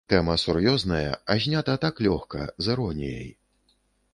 Тэма сур'ёзная, а знята так лёгка, з іроніяй.